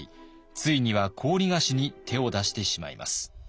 ついには高利貸しに手を出してしまいます。